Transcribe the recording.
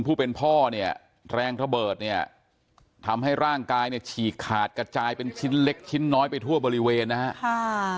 ผู้เป็นพ่อเนี่ยแรงระเบิดเนี่ยทำให้ร่างกายเนี่ยฉีกขาดกระจายเป็นชิ้นเล็กชิ้นน้อยไปทั่วบริเวณนะฮะ